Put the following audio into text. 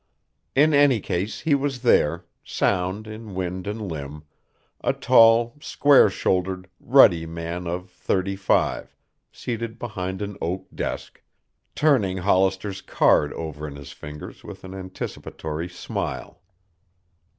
In any case he was there, sound in wind and limb, a tall, square shouldered, ruddy man of thirty five, seated behind an oak desk, turning Hollister's card over in his fingers with an anticipatory smile.